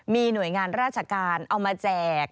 มีหน่วยงานราชการเอามาแจก